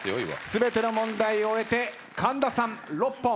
全ての問題終えて神田さん６本。